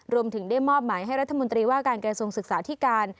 รวมถึงได้มอบหมายให้รัฐมนตรีว่าการกระทรวงศึกษาที่การ